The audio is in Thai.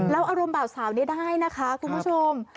แล้วอารมณ์บ่าวสาวนี้ได้นะคะคุณผู้ชม